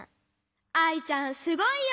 アイちゃんすごいよ！